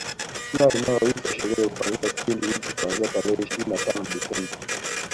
Kila inayoitwa sherehe hufanyika kipindi hiki kuanzia tarehe ishirini na tano Desemba